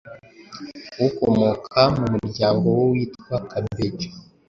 ukomoka mu muryango w’uwitwa Kabeja.